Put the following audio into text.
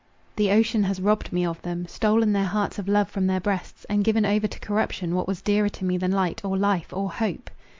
The ocean has robbed me of them—stolen their hearts of love from their breasts, and given over to corruption what was dearer to me than light, or life, or hope.